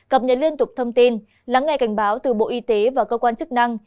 cập nhật liên tục thông tin lắng nghe cảnh báo từ bộ y tế và cơ quan chức năng